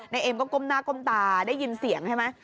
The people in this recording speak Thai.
เอ็มก็ก้มหน้าก้มตาได้ยินเสียงใช่ไหม